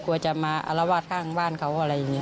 กลัวจะมาอารวาสข้างบ้านเขาอะไรอย่างนี้